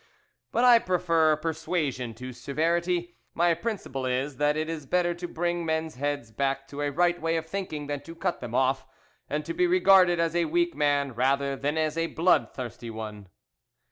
But I prefer persuasion to severity. My principle is, that it is better to bring men's heads back to a right way of thinking than to cut them off, and to be regarded as a weak man rather than as a bloodthirsty one.